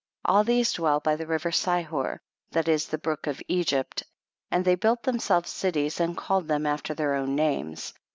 22. All these dwell by the river Sihor, that is the brook of Egypt, and they built themselves cities and called them after their own names.